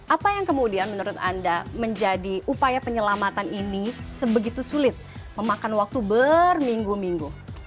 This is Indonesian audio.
apa yang kemudian menurut anda menjadi upaya penyelamatan ini sebegitu sulit memakan waktu berminggu minggu